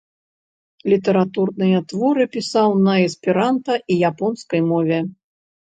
Літаратурныя творы пісаў на эсперанта і японскай мове.